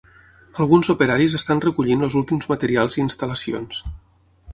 Alguns operaris estan recollint els últims materials i instal·lacions.